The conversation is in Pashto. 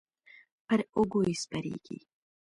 پر اوږو یې سپرېږي.